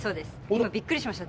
今びっくりしました。